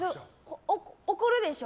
怒るでしょ？